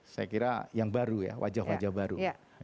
saya kira yang baru ya wajah wajah baru